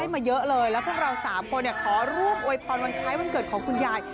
มาเยอะเลยแล้วพวกเรา๓คนขอร่วมอวยพรวันคล้ายวันเกิดของคุณยาย